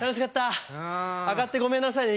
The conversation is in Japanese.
上がってごめんなさいね